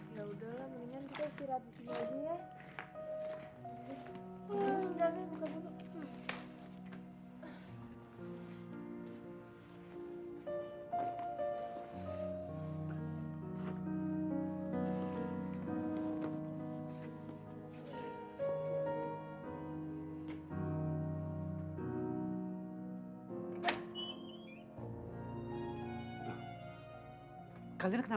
ya udah lah mainin kita sih ratus jalan aja ya